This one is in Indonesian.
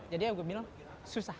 jadi saya pikir ini susah